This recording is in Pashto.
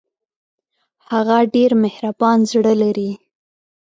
هغه ډېر مهربان زړه لري